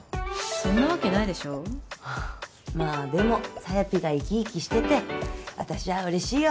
そんなわけないでしょまあでもさやぴがイキイキしてて私は嬉しいよ